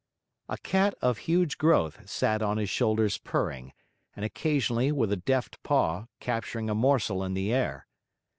A cat of huge growth sat on his shoulders purring, and occasionally, with a deft paw, capturing a morsel in the air.